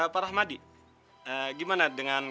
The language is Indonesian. pak rahmadi gimana dengan